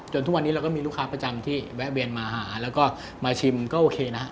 ทุกวันนี้เราก็มีลูกค้าประจำที่แวะเวียนมาหาแล้วก็มาชิมก็โอเคนะ